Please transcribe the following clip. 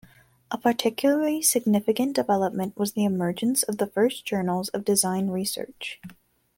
A particularly significant development was the emergence of the first journals of design research.